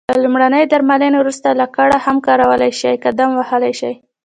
له لمرینې درملنې وروسته لکړه هم کارولای شې، قدم وهلای شې.